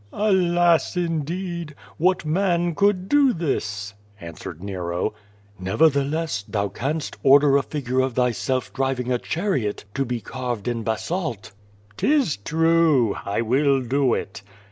"Alas, indeed! What man could do this?" answered Nero. "Nevertheless, thou canst order a figure of thyself driving a chariot to be carved in basalt." 238 QVO VADI8. "'Tis true! I will do it.'